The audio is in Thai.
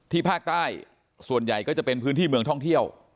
ภาคใต้ส่วนใหญ่ก็จะเป็นพื้นที่เมืองท่องเที่ยว